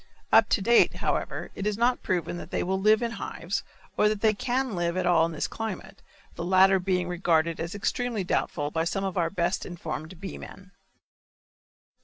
Up to date, however, it is not proven that they will live in hives or that they can live at all in this climate; the latter being regarded as extremely doubtful by some of our best informed bee men.